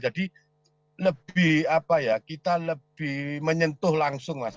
jadi kita lebih menyentuh langsung mas